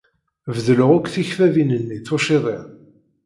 Beddleɣ akk tikbabin-nni tucciḍin.